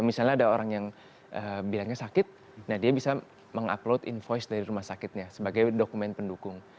misalnya ada orang yang bilangnya sakit nah dia bisa mengupload invoice dari rumah sakitnya sebagai dokumen pendukung